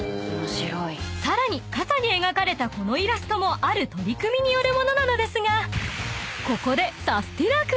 ［さらに傘に描かれたこのイラストもある取り組みによるものなのですがここで］